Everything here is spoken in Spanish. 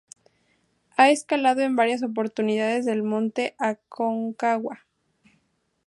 Ha escalado en varias oportunidades del Monte Aconcagua.